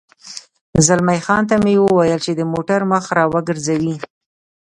زلمی خان ته مې وویل چې د موټر مخ را وګرځوي.